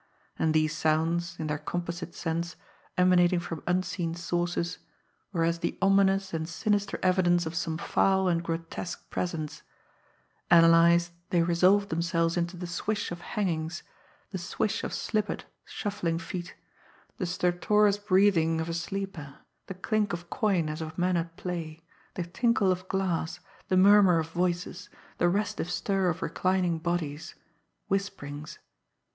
And these sounds, in their composite sense, emanating from unseen sources, were as the ominous and sinister evidence of some foul and grotesque presence; analysed, they resolved themselves into the swish of hangings, the swish of slippered, shuffling feet, the stertorous breathing of a sleeper, the clink of coin as of men at play, the tinkle of glass, the murmur of voices, the restive stir of reclining bodies, whisperings.